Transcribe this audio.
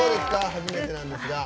初めてなんですが。